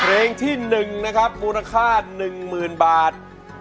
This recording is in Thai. เพลงที่๑นะครับมูลค่า๑๐๐๐บาท